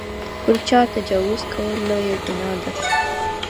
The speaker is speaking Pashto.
پر چا تجاوز کول لویه ګناه ده.